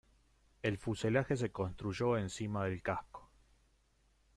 El fuselaje se construyó encima del casco.